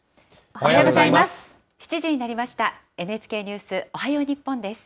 おはようございます。